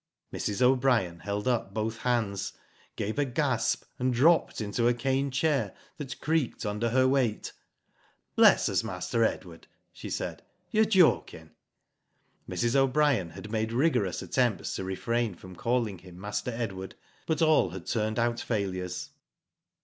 Mrs. O'Brien held up both hands, gave a gasp, and dropped into a cane chair, that creaked under her weight. ''Bless us. Master Edward," she said, "you're joking." Mrs. O'Brien had made rigorous attempts to refrain from calling him Master Edward, but all had turned out failures.